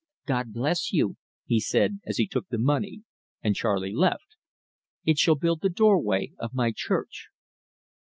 "God bless you," he said, as he took the money, and Charley left. "It shall build the doorway of my church."